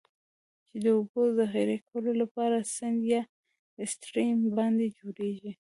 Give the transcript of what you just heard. چې د اوبو د ذخیره کولو لپاره د سیند یا Stream باندی جوړیږي.